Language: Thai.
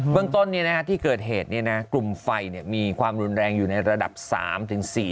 เบื้องต้นนี้นะคะที่เกิดเหตุกลุ่มไฟกลมไฟเนี่ยมีความรุนแรงอยู่ในระดับ๓ถึง๔